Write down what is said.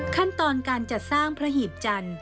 ขั้นตอนการจัดสร้างพระหีบจันทร์